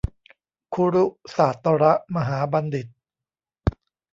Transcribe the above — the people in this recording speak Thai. คุรุศาสตรมหาบัณฑิต